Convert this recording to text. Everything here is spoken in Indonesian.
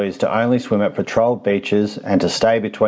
hanya berlari di pantai patroli dan berada di antara peta